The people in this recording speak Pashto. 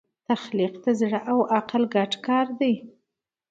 تخلیق د زړه او عقل ګډ کار دی.